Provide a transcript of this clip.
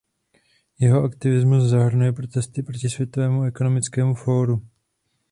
Jeho aktivismus zahrnuje protesty proti Světovému ekonomickému fóru.